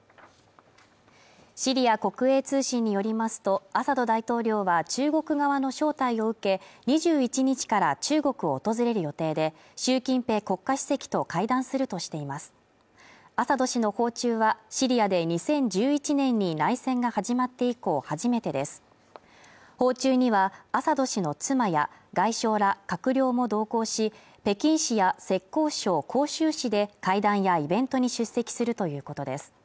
シリア国営通信によりますとアサド大統領は中国側の招待を受け２１日から中国を訪れる予定で習近平国家主席と会談するとしていますアサド氏の訪中はシリアで２０１１年に内戦が始まって以降初めてです訪中にはアサド氏の妻や外相ら閣僚も同行し北京市や浙江省杭州市で会談やイベントに出席するということです